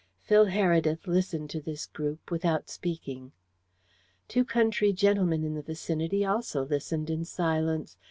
Phil Heredith listened to this group without speaking. Two country gentlemen in the vicinity also listened in silence.